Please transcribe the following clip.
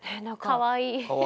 かわいい。